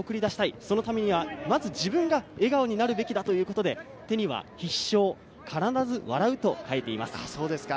そのためには、まず自分が笑顔になるべきだということで、手には「必笑」、必ず笑うと書いています。